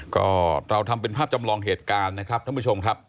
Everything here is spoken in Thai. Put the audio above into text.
ก็เราทำเป็นภาพจำลองเหตุการณ์นะครับท่านผู้ชมครับ